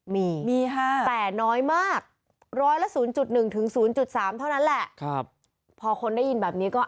มีแต่น้อยมาก๑๐๐ละ๐๑ถึง๐๓เท่านั้นแหละพอคนได้ยินแบบนี้ก็